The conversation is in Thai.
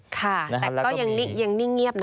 ค่ะแต่ก็ยังนิ่งเงียบนะ